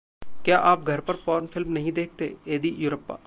क्या आप घर पर पोर्न फिल्म नहीं देखते: येदियुरप्पा